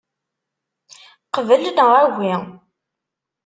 Qbel neɣ agi.